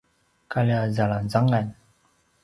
kalja zalangzangan